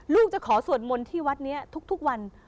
จะขอสวดมนต์ที่วัดนี้ทุกวัน